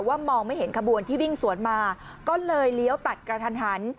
มองไม่เห็นขบวนที่วิ่งสวนมาก็เลยเลี้ยวตัดกระทันหัน